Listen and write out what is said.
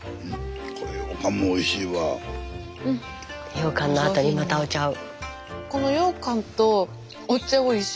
ようかんのあとにまたお茶を。